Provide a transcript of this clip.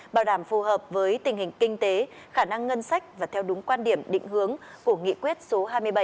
bảo đảm phù hợp với tình hình kinh tế khả năng ngân sách và theo đúng quan điểm định hướng của nghị quyết số hai mươi bảy